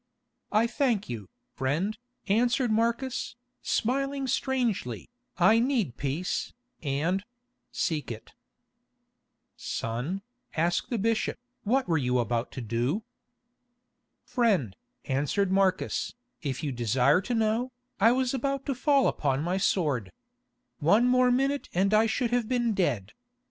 "I thank you, friend," answered Marcus, smiling strangely, "I need peace, and—seek it." "Son," asked the bishop, "what were you about to do?" "Friend," answered Marcus, "If you desire to know, I was about to fall upon my sword. One more minute and I should have been dead.